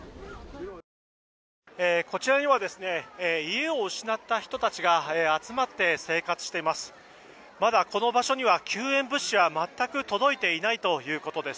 こちらには家を失った人たちが集まって生活しています。